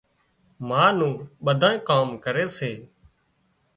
ما نُون ٻڌُونئي ڪام ڪري سي